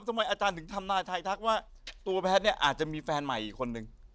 อาจารย์ถึงทำนายทายทักว่าตัวแพทย์เนี่ยอาจจะมีแฟนใหม่อีกคนนึง